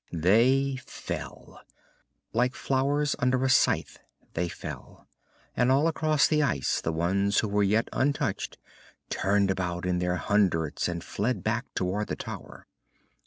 They fell. Like flowers under a scythe they fell, and all across the ice the ones who were yet untouched turned about in their hundreds and fled back toward the tower.